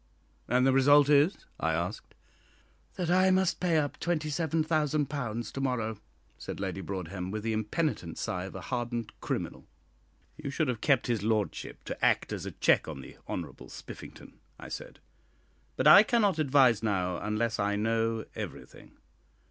"And the result is?" I asked. "That I must pay up £27,000 to morrow," said Lady Broadhem, with the impenitent sigh of a hardened criminal. "You should have kept his lordship to act as a check on the Honourable Spiffington," I said; "but I cannot advise now, unless I know everything."